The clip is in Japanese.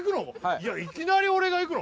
いやいきなり俺がいくの？